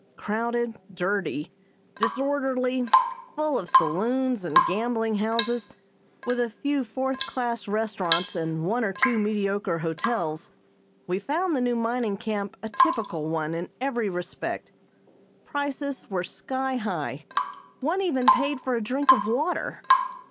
Crowded, dirty, disorderly, full of saloons and gambling houses, with a few fourth class restaurants and one or two mediocre hotels, we found the new mining camp a typical one in every respect. Prices were sky high. One even paid for a drink of water.